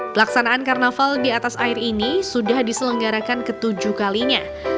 pelaksanaan karnaval di atas air ini sudah diselenggarakan ketujuh kalinya